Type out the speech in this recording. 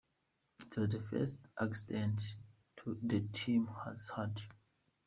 It was the first accident the team has had.